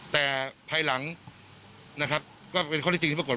แต่ภายหลังนะครับก็เป็นข้อที่จริงที่ปรากฏ